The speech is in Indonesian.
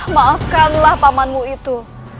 maafkanlah pamanmu itu